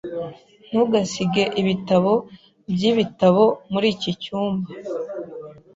Ntugasige ibitabo byibitabo muri iki cyumba.